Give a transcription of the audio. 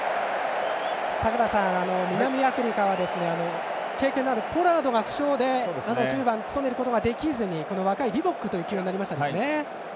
坂田さん、南アフリカは経験のあるポラードが負傷で１０番を務めることができずに若いリボックという起用になりました。